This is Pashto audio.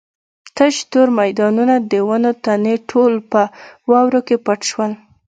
تش تور میدانونه د ونو تنې ټول په واورو کې پټ شول.